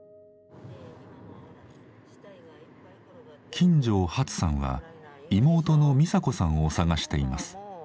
金城ハツさんは妹のミサ子さんを捜しています。